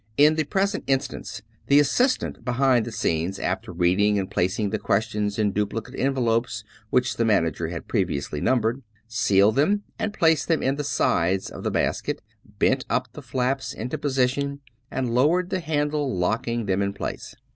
In the present instance, the assistant behind the scenes, after reading and placing the questions in duplicate en velopes which the manager had previously numbered, sealed them and placed them in the sides of the basket, bent up the flaps into position, and lowered the handle locking them in place.